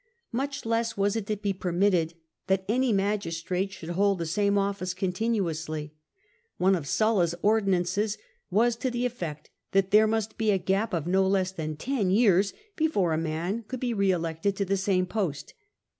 Much less was it to be permitted that any magistrate should hold the same office continuously : one of Sulla's ordinances was to the effect that there must be a gap of no less than ten years before a man could be re elected to the same post.